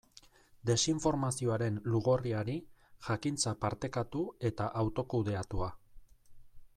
Desinformazioaren lugorriari, jakintza partekatu eta autokudeatua.